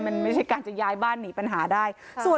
มันไม่ใช่การจะย้ายบ้านหนีปัญหาได้